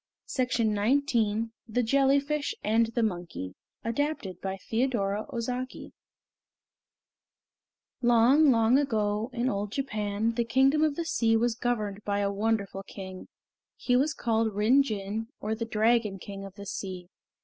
MYTHS OF JAPAN THE JELLYFISH AND THE MONKEY ADAPTED BY YEI THEODORA OZAKI Long, long ago, in old Japan, the Kingdom of the Sea was governed by a wonderful King. He was called Rin Jin, or the Dragon King of the Sea.